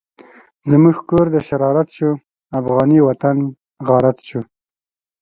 زموږ کور د شرارت شو، افغانی وطن غارت شو